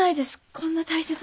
こんな大切なもの。